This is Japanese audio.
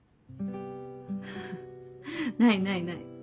フフないないない。